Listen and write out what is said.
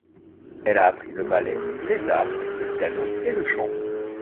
Elle a appris le ballet, les arts, le piano, et le chant.